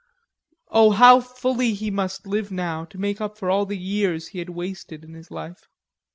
Oh, how fully he must live now to make up for all the years he had wasted in his life.